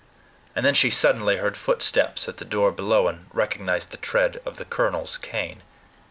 And then she suddenly heard footsteps at the door below, and recognized the tread of the colonel's cane.